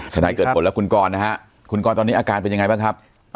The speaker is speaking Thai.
นายเกิดผลและคุณกรนะฮะคุณกรตอนนี้อาการเป็นยังไงบ้างครับ